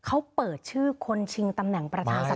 เขาเปิดชื่อคนชิงตำแหน่งประธานสภา